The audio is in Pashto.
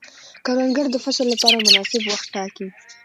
کروندګر د فصل لپاره مناسب وخت ټاکي